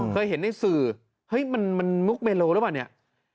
เคยเห็นในสื่อเฮ้ยมันมุกเมโลหรือเปล่าเนี่ย